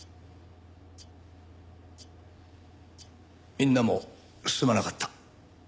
みんなもすまなかった。